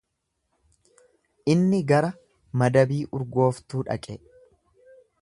Inni gara madabii urgooftuu dhaqe.